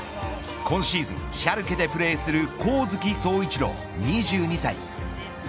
今シーズンシャルケでプレーする上月壮一郎２２歳。